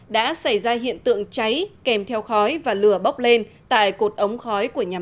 đã xảy ra hiện tượng cháy kèm theo khói và lửa bốc lên tại cột ống khói của nhà